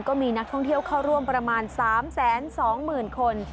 ก็มีนักท่องเที่ยวเข้าร่วมประมาณ๓๒๐๐๐คน